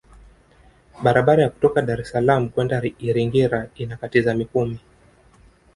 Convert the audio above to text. barabara ya kutoka dar es salaam kwenda iringa inakatiza mikumi